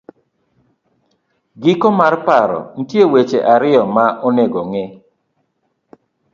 giko mar paro .nitie weche ariyo ma onego ng'i.